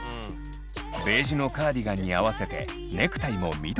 ベージュのカーディガンに合わせてネクタイも緑に。